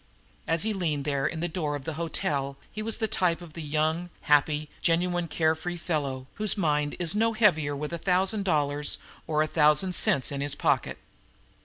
As he leaned there in the door of the hotel he was the type of the young, happy, genuine and carefree fellow, whose mind is no heavier with a thousand dollars or a thousand cents in his pocket.